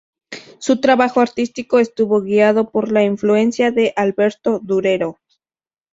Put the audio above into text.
Su trabajo artístico estuvo guiado por la influencia de Alberto Durero.